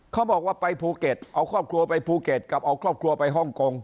เขาบอกว่าไปภูเก็ตเอาครอบครัวไปภูเก็ตกับเอาครอบครัวไปฮ่องกง